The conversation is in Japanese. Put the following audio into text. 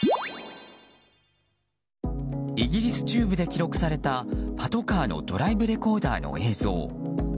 イギリス中部で記録されたパトカーのドライブレコーダーの映像。